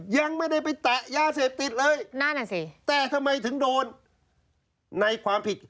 ยังไม่ได้ไปแตะยาเสพติดเลยนั่นอ่ะสิแต่ทำไมถึงโดนในความผิด